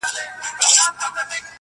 بل خوشاله په درملو وايي زېری مي درباندي!